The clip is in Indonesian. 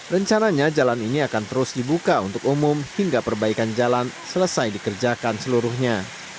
rencananya jalan ini akan terus dibuka untuk umum hingga perbaikan jalan selesai dikerjakan seluruhnya